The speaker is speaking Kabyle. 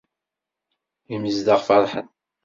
Imezdaɣ ferḥen.